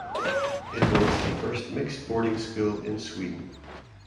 It was the first mixed boarding school in Sweden.